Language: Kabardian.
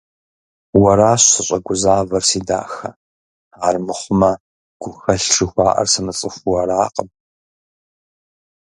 Уэращ сыщӀэгузавэр, си дахэ, армыхъумэ гухэлъ жыхуаӀэр сымыцӀыхуу аракъым.